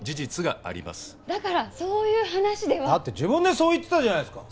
だからそういう話では。だって自分でそう言ってたじゃないですか。